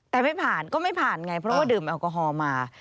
แต่ไม่ผ่านก็ไม่ผ่านไงเพราะว่าดื่มแอลกอฮอล์มา